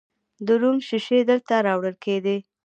د روم شیشې دلته راوړل کیدې